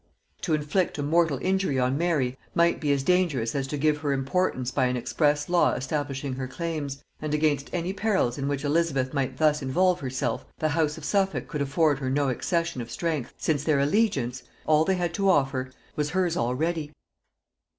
To inflict a mortal injury on Mary might be as dangerous as to give her importance by an express law establishing her claims, and against any perils in which Elizabeth might thus involve herself the house of Suffolk could afford her no accession of strength, since their allegiance, all they had to offer, was hers already.